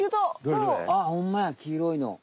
あっほんまやきいろいの。